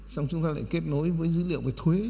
xong chúng ta lại kết nối với dữ liệu về thuế